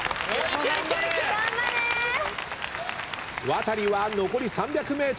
ワタリは残り３００ｍ。